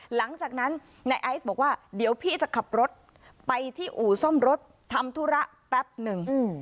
หลังจากนั้นนายไอซ์บอกว่าเดี๋ยวพี่จะขับรถไปที่อู่ซ่อมรถทำธุระแป๊บหนึ่ง